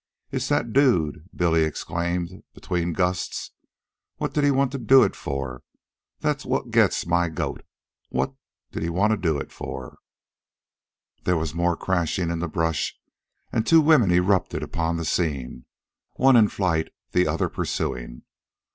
"It's that dude," Billy explained between gusts. "What did he wanta do it for? That's what gets my goat. What'd he wanta do it for?" There was more crashing in the brush, and two women erupted upon the scene, one in flight, the other pursuing.